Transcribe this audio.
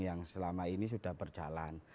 yang selama ini sudah berjalan